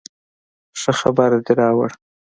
ښه خبر دې راوړ